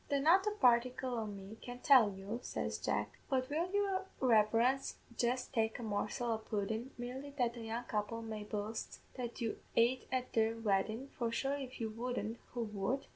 "'The not a particle o' me can tell you,' says Jack; 'but will your reverence jist taste a morsel o' pudden, merely that the young couple may boast that you ait at their weddin'; for sure if you wouldn't, who would?'